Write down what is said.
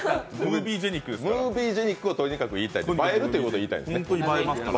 ムービージェニックをとにかく言いたい映えるということが言いたいんですね。